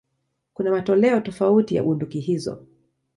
Kuna matoleo tofauti ya bunduki hizo.